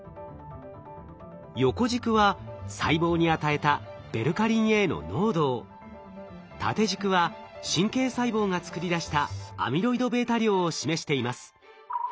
横軸は細胞に与えたベルカリンＡの濃度を縦軸は神経細胞が作り出したアミロイドβ量を示しています。